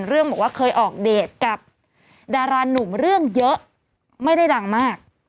บอกว่าเคยออกเดทกับดารานุ่มเรื่องเยอะไม่ได้ดังมาก